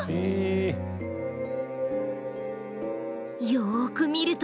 よく見ると。